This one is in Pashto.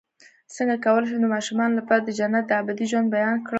څنګه کولی شم د ماشومانو لپاره د جنت د ابدي ژوند بیان کړم